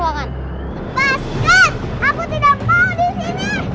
jangan lupa untuk berikan duit